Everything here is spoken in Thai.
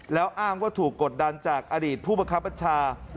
แล้วอ้างว่าถูกกดดันจากอดีตผู้บังคับบัญชา